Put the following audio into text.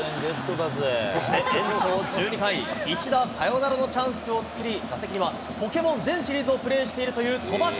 そして延長１２回、一打サヨナラのチャンスを作り、打席にはポケモン全シリーズをプレーしているという戸柱。